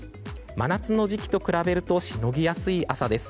真夏の時期と比べるとしのぎやすい朝です。